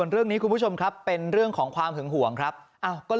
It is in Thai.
เรื่องนี้คุณผู้ชมครับเป็นเรื่องของความถึงห่วงครับโอ้ย